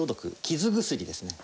傷薬ですね。